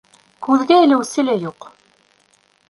Күҙгә элеүсе лә юҡ.